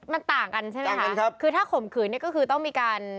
มันต่างกันใช่ไหมคะคือถ้าข่มขืนเนี่ยก็คือต้องมีการ